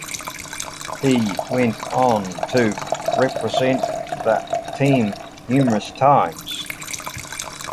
He went on to represent the team numerous times.